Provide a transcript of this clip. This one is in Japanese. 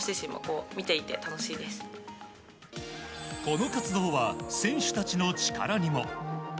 この活動は選手たちの力にも。